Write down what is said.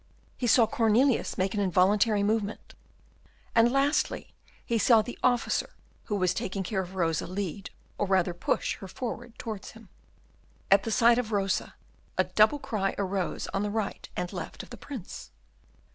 He saw Cornelius make an involuntary movement; and lastly he saw the officer who was taking care of Rosa lead, or rather push her forward towards him. At the sight of Rosa, a double cry arose on the right and left of the Prince.